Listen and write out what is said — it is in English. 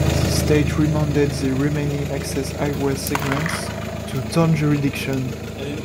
The state remanded the remaining access highway segments to town jurisdiction.